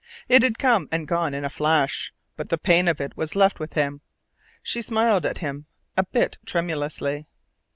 It had come and gone in a flash, but the pain of it was left with him. She smiled at him a bit tremulously.